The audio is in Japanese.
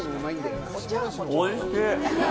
おいしい！